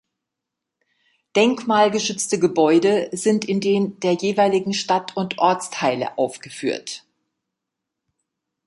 Denkmalgeschützte Gebäude sind in den der jeweiligen Stadt- und Ortsteile aufgeführt.